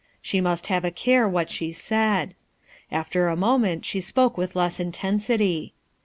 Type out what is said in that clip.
She must have a care what she said. After a moment she spoke with less intensity.